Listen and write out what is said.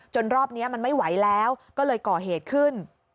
รอบนี้มันไม่ไหวแล้วก็เลยก่อเหตุขึ้น